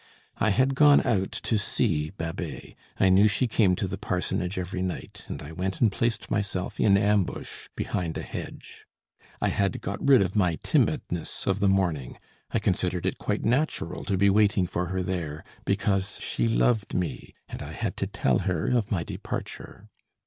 I had gone out to see Babet; I knew she came to the parsonage every night, and I went and placed myself in ambush behind a hedge. I had got rid of my timidness of the morning; I considered it quite natural to be waiting for her there, because she loved me and I had to tell her of my departure.